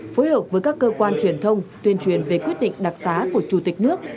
phối hợp với các cơ quan truyền thông tuyên truyền về quyết định đặc xá của chủ tịch nước